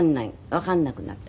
わかんなくなって。